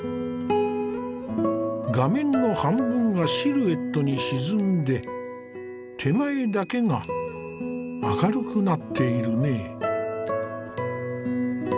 画面の半分がシルエットに沈んで手前だけが明るくなっているね。